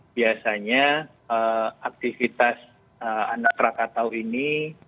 biasanya aktivitas anak rakatau ini